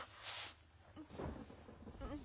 うん。